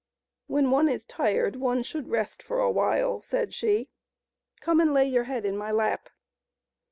When one is tired, one should rest for a while," said she ;" come and lay your head in my lap."